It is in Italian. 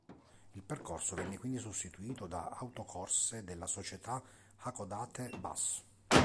Il percorso venne quindi sostituito da autocorse dalla società Hakodate Bus.